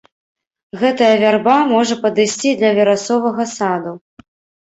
Гэтая вярба можа падысці для верасовага саду.